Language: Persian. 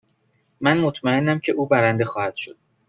من مطمئنم که او برنده خواهد شد.